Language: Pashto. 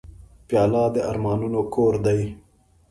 پیاله د ارمانونو کور دی.